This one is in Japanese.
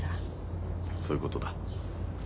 そういうことだ。